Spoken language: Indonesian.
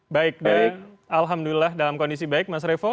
baik baik alhamdulillah dalam kondisi baik mas revo